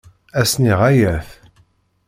Ass-nni ɣaya-t.